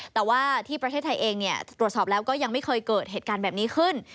แต่ว่าที่ประเทศไทยเองตรวจสอบแล้วก็ยังไม่เคยเกิดเหตุการณ์แบบนี้ขึ้น